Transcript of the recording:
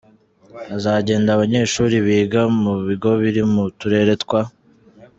Hazagenda abanyeshuri biga mu bigo biri mu turere twa:.